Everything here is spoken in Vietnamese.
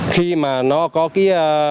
khi mà nó có cái